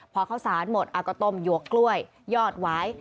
พอเขาสารหมดอากาตมหยวกกล้วยยอดหวาย